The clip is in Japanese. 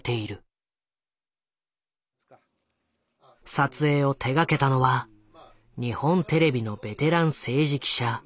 撮影を手がけたのは日本テレビのベテラン政治記者菱山郁朗。